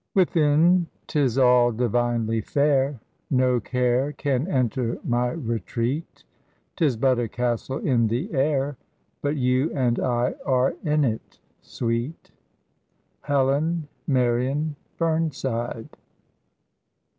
"Within 'tis all divinely fair, No care can enter my retreat; 'Tis but a castle in the air, But you and I are in it, sweet." HELEN MARION BURNSIDE.